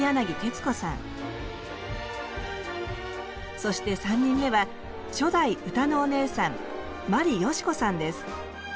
そして３人目は初代歌のお姉さん眞理ヨシコさんです。